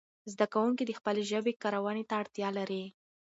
زده کوونکي د خپلې ژبې کارونې ته اړتیا لري.